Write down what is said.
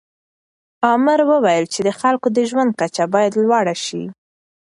امر وویل چې د خلکو د ژوند کچه باید لوړه سي.